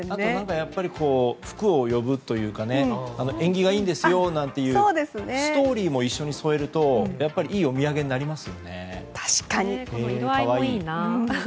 やっぱり福を呼ぶというか縁起がいいんですよというストーリーも一緒に添えると色合いもいいな。